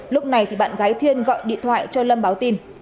lúc này thì bạn gái thiên gọi điện thoại cho lâm báo tin